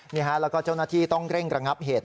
แล้วก็เจ้าหน้าที่ต้องเร่งระงับเหตุ